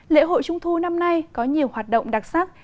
lễ hội trung thu năm nay có nhiều hoạt động đặc sắc